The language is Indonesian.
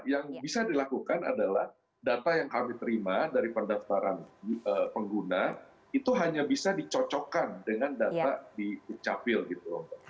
yang bisa dilakukan adalah data yang kami terima dari pendaftaran pengguna itu hanya bisa dicocokkan dengan data di dukcapil gitu